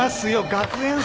学園祭。